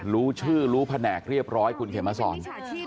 รู้ชื่อรู้แผนกเรียบร้อยคุณเขียนมาสอน